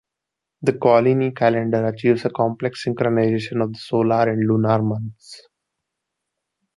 The Coligny calendar achieves a complex synchronisation of the solar and lunar months.